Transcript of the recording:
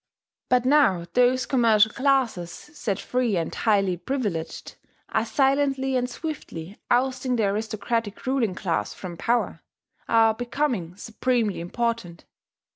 But now those commercial classes, set free and highly privileged, are silently and swiftly ousting the aristocratic ruling class from power, are becoming supremely important.